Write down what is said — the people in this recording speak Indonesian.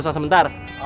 masih sakit lagi